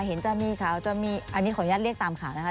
เห็นจะมีข่าวจะมีอันนี้ขออนุญาตเรียกตามข่าวนะคะ